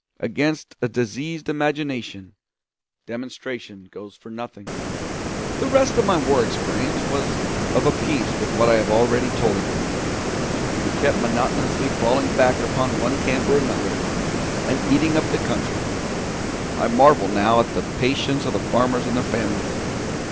Against a diseased imagination, demonstration goes for nothing. The rest of my war experience was of a piece with what I have already told of it. We kept monotonously falling back upon one camp or another, and eating up the country I marvel now at the patience of the farmers and their families.